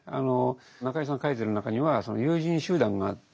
中井さんが書いてる中にはその友人集団があって